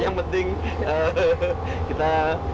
yang penting kita